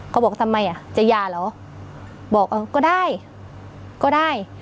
เขาบอกทำไมอ่ะจะหย่าเหรอบอกเออก็ได้ก็ได้